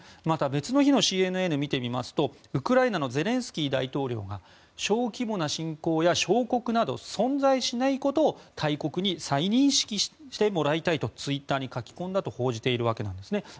また、別の日のＣＮＮを見てみますとウクライナのゼレンスキー大統領が小規模な侵攻や小国など存在しないことを大国に再認識してもらいたいとツイッターに書き込んだと報じているわけなんですね。